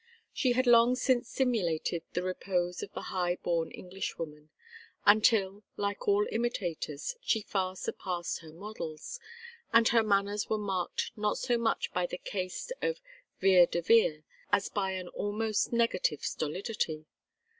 She had long since simulated the repose of the high born Englishwoman, until, like all imitators, she far surpassed her models, and her manners were marked not so much by the caste of Vere de Vere as by an almost negative stolidity.